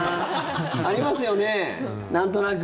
ありますよね、なんとなく。